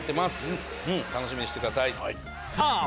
楽しみにしてください。